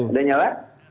sudah sudah nyala